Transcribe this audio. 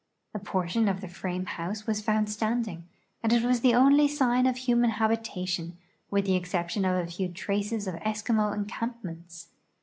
A portion of the frame house was found standing, and it was the only sign of human habitation, with the exception of a few traces of Eskimo encampments.